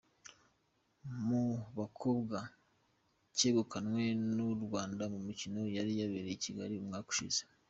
Mu bakobwa cyegukanwe n’u Rwanda mu mikino yari yabereye i Kigali umwaka ushize.